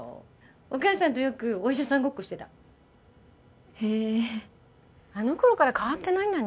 お母さんとよくお医者さんごっこしてたへえあの頃から変わってないんだね